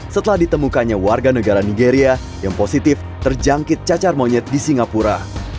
setelah ditemukannya warga negara nigeria yang positif terjangkit cacar monyet di singapura